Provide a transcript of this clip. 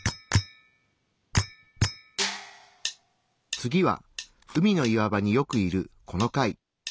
次は海の岩場によくいるこの貝。